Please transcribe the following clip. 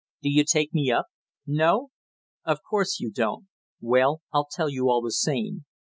Do you take me up? No? Of course you don't! Well, I'll tell you all the same.